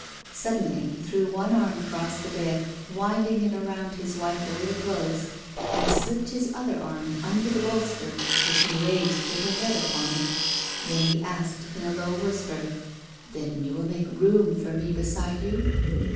Suddenly he threw one arm across the bed, winding it around his wife over the clothes, and slipped his other arm mider the bolster, which he raised with her head upon it ; then he asl; ed, in a low whisper :" Then you will make room for me beside you?"